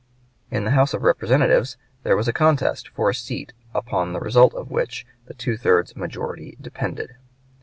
In the House of Representatives there was a contest for a seat upon the result of which the two thirds majority depended.